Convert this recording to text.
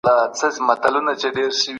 آیا مختلفې ټولني متقابل تعاملات لري؟